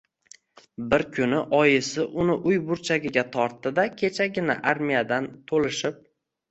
Bir kuni oyisi uni uy burchagiga tortdi-da, kechagina armiyadan toʼlishib